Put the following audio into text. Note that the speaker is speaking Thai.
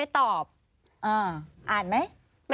อ่านไหม